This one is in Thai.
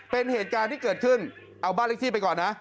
เป็นเหตุการณ์ที่เกิดขึ้นเอาบ้านเลขที่ไปก่อนนะ